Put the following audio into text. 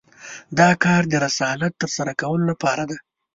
دا کار د رسالت تر سره کولو لپاره دی.